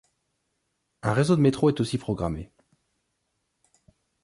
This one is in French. Un réseau de métro est aussi programmé.